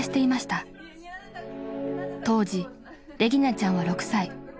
［当時レギナちゃんは６歳］